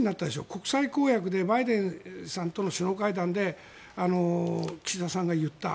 国際公約でバイデンさんとの首脳会談で岸田さんが言った。